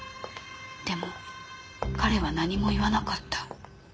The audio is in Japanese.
でも彼は何も言わなかった。